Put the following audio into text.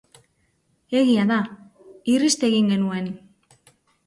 Egi da, irrist egin genuen.